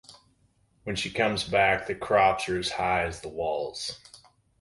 When she comes back, the crops are as high as the walls.